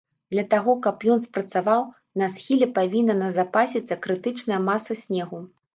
Для таго, каб ён спрацаваў, на схіле павінна назапасіцца крытычная маса снегу.